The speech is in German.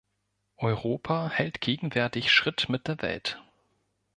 Europa hält gegenwärtig Schritt mit der Welt.